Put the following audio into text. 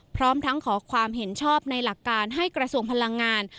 พร้อมทั้งขอความเห็นชอบในหลักการให้กระทรวงพลังงาน